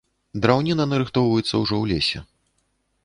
Драўніна нарыхтоўваецца ўжо ў лесе.